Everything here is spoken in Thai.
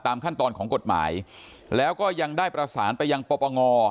ขั้นตอนของกฎหมายแล้วก็ยังได้ประสานไปยังปปง